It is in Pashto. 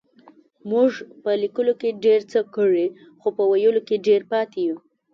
مونږ په لکيلو کې ډير څه کړي خو په ويلو کې ډير پاتې يو.